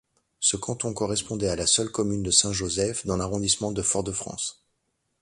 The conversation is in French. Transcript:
Ce canton correspondait à la seule commune de Saint-Joseph dans l'arrondissement de Fort-de-France.